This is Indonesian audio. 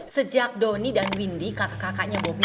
sejak doni dan windy kakak kakaknya bobby nangis